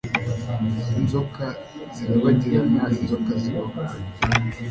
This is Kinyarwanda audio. inzoka zirabagirana inzoka zibaho